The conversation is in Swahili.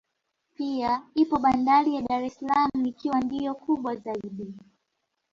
Pia ipo bandari ya Dar es salaam ikiwa ndiyo kubwa zaidi